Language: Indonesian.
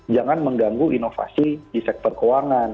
jangan mengganggu inovasi di sektor keuangan